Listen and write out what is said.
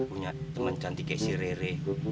punya temen cantik kayak si rere